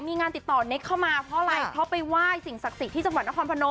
มีงานติดต่อเน็กเข้ามาเพราะอะไรเพราะไปไหว้สิ่งศักดิ์สิทธิ์ที่จังหวัดนครพนม